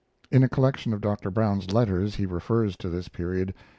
In a collection of Dr. Brown's letters he refers to this period.